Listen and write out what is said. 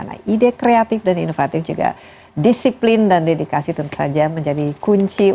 nah ide kreatif dan inovatif juga disiplin dan dedikasi tentu saja menjadi kunci utama